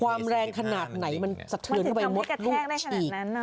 ความแรงขนาดไหนมันสะเทินเข้าไปมดลูกอีก